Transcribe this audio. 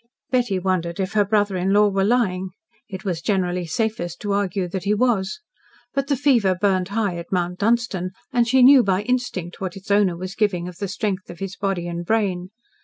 Betty wondered if her brother in law were lying. It was generally safest to argue that he was. But the fever burned high at Mount Dunstan, and she knew by instinct what its owner was giving of the strength of his body and brain.